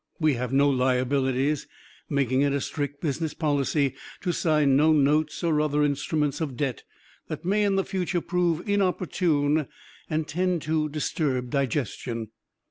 We have no liabilities, making it a strict business policy to sign no notes or other instruments of debt that may in the future prove inopportune and tend to disturb digestion.